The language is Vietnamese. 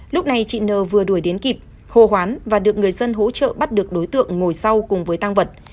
lúc này chị nờ vừa đuổi đến kịp hô hoán và được người dân hỗ trợ bắt được đối tượng ngồi sau cùng với tăng vật